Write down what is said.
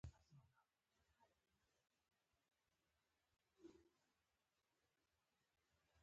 غول د کبان خوړلو اغېز بدلوي.